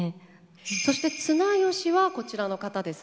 そして綱吉はこちらの方ですね。